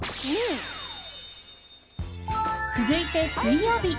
続いて、水曜日。